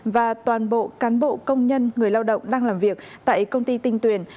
và toàn bộ cán bộ công nhân người lao động đang làm việc tại công ty tinh tuyền